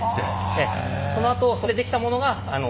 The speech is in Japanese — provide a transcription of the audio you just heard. そのあとそれでできたものが廊下に。